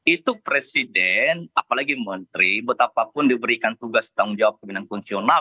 itu presiden apalagi menteri betapa pun diberikan tugas tanggung jawab kebinaan fungsional